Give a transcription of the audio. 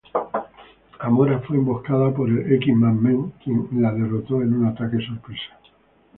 Amora fue emboscada por el X-Man M, quien la derrotó en un ataque sorpresa.